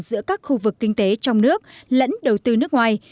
giữa các khu vực kinh tế trong nước lẫn đầu tư nước ngoài